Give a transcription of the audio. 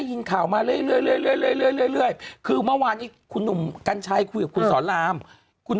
ย่าเอาตรงคนรวยเท่าไหร่ก็หมด